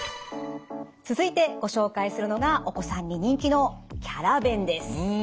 続いてご紹介するのがお子さんに人気のキャラ弁です。